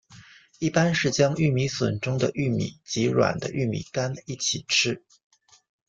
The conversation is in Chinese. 一般是将玉米笋中的玉米及软的玉米秆一起吃。